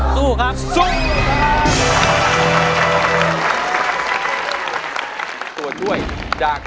คุณมงคลจะสู้หรือจะหยุดครับ